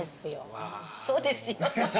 「そうですよ」